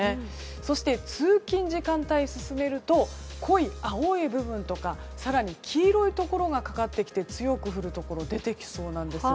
そして通勤時間帯に進めると濃い青い部分とか更に黄色いところがかかってきて強く降るところが出てきそうなんです。